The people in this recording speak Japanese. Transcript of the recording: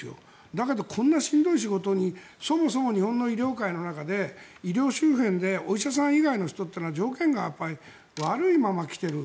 だけど、こんなしんどい仕事にそもそも日本の医療界の中で医療周辺でお医者さん以外の人というのは条件がやっぱり悪いまま来ている。